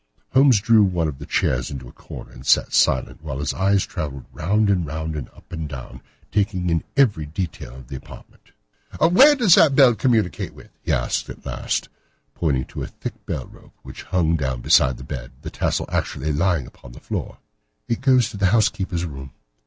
Holmes drew one of the chairs into a corner and sat silent, while his eyes travelled round and round and up and down, taking in every detail of the apartment. "Where does that bell communicate with?" he asked at last pointing to a thick bell rope which hung down beside the bed, the tassel actually lying upon the pillow. "It goes to the housekeeper's room."